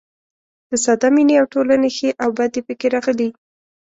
د ساده مینې او ټولنې ښې او بدې پکې راغلي.